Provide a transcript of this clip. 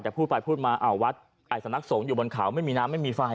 แต่พูดไปพูดมาวัดสำนักสงฆ์อยู่บนเขาไม่มีน้ำไม่มีไฟ